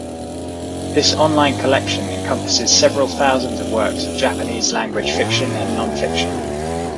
This online collection encompasses several thousands of works of Japanese-language fiction and non-fiction.